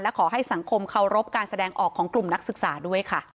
ขอให้สังคมเคารพการแสดงออกของกลุ่มนักศึกษาด้วยค่ะ